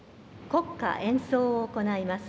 国歌演奏を行います。